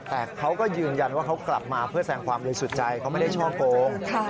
แต่เขาก็ยืนยันว่าเขากลับมาเพื่อแสงความบริสุทธิ์ใจเขาไม่ได้ช่อโกง